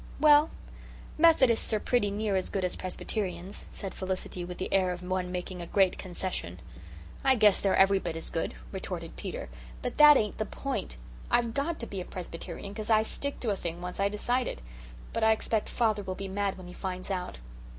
"Well, Methodists are pretty near as good as Presbyterians," said Felicity, with the air of one making a great concession. "I guess they're every bit as good," retorted Peter. "But that ain't the point. I've got to be a Presbyterian, 'cause I stick to a thing when I once decide it. But I expect father will be mad when he finds out."